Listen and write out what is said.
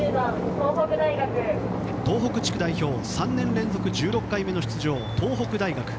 東北地区代表３年連続１６回目の出場、東北大学。